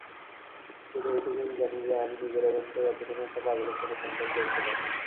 শুধু এটুকুই জানি যে, আমি নিজের অজান্তে এতদিন একটা পাগলের সাথে সংসার করছিলাম।